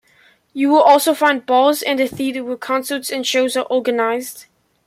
You will also find bars and a theater where concerts and shows are organized.